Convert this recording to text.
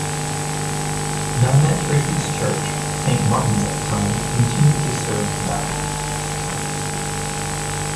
Nymet Tracey's church, Saint Martin's at the time, continued to serve Bow.